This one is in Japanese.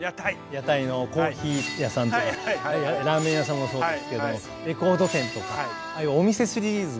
屋台のコーヒー屋さんとかラーメン屋さんもそうですけどもレコード店とかああいうお店シリーズがよく見ますね。